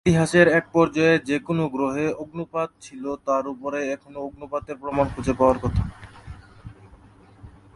ইতিহাসের এক পর্যায়ে যে কোনও গ্রহে অগ্ন্যুৎপাত ছিল তার উপরে এখনও অগ্ন্যুৎপাতের প্রমাণ খুঁজে পাওয়ার কথা।